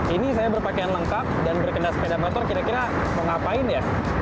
ini saya berpakaian lengkap dan berkena sepeda motor kira kira mengapain ya